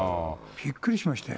びっくりしましたよ。